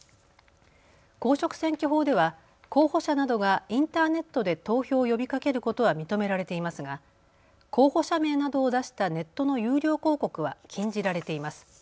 公職選挙法では候補者などがインターネットで投票を呼びかけることは認められていますが候補者名などを出したネットの有料広告は禁じられています。